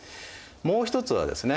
もう一つはですね